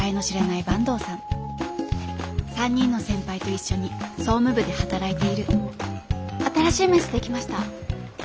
３人の先輩と一緒に総務部で働いている新しい名刺できました。